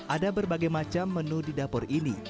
ada berbagai macam menu di dapur ini